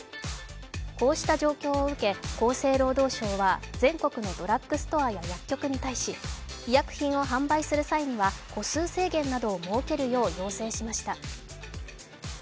こうした状況を受け、厚生労働省は全国のドラッグストアや薬局に対し、医薬品を販売する際には個数制限などを設けるよう要請しました。